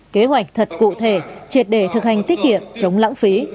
kế hoạch thật cụ thể triệt đề thực hành thiết kiện chống lãng phí